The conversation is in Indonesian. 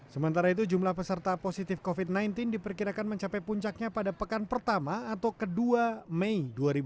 sementara itu jumlah peserta positif covid sembilan belas diperkirakan mencapai puncaknya pada pekan pertama atau kedua mei dua ribu dua puluh